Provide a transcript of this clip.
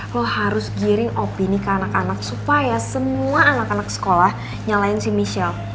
lo harus giring opini ke anak anak supaya semua anak anak sekolah nyalain sih michel